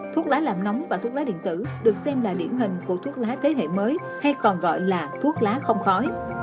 thuốc lá làm nóng và thuốc lá điện tử được xem là điển hình của thuốc lá thế hệ mới hay còn gọi là thuốc lá không khói